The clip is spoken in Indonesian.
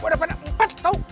lu udah pada empat tau